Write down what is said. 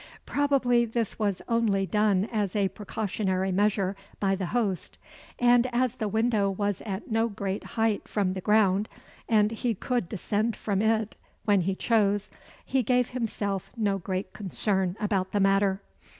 Probably this was only done as a precautionary measure by the host; and as the window was at no great height from the ground, and he could descend from it when he chose, he gave himself no great concern about the matter.